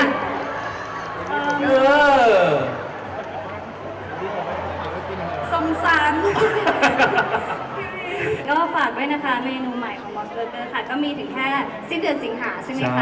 มีก็มีแค่ซิลเดร์สิงหาใช่ไหมคะ